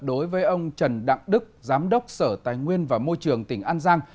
đối với ông trần đặng đức giám đốc sở tài nguyên và môi trường tỉnh an giang